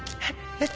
えっ？